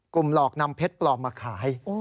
หลอกนำเพชรปลอมมาขาย